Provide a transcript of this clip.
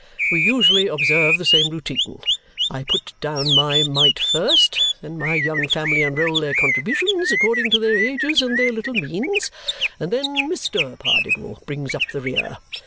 We usually observe the same routine. I put down my mite first; then my young family enrol their contributions, according to their ages and their little means; and then Mr. Pardiggle brings up the rear.